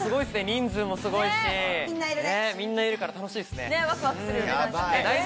人数もすごいし、みんないるから楽しいですね。